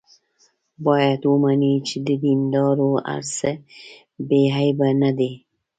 باید ومني چې د دیندارو هر څه بې عیبه نه دي.